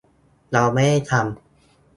เราไม่ได้ทำ